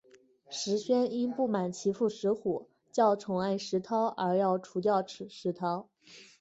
石宣因不满其父石虎较宠爱石韬而要除掉石韬。